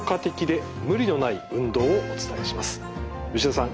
吉田さん